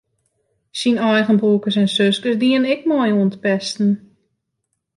Syn eigen broerkes en suskes dienen ek mei oan it pesten.